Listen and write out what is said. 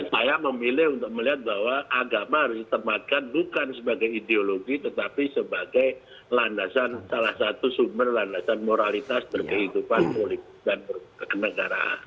saya memilih untuk melihat bahwa agama harus ditempatkan bukan sebagai ideologi tetapi sebagai landasan salah satu sumber landasan moralitas berkehidupan politik dan berkenegaraan